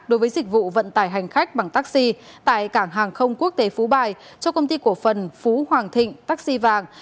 đối với dịch vụ vận tải hành khách bằng taxi tại cảng hàng không quốc tế phú bài cho công ty cổ phần phú hoàng thịnh taxi vàng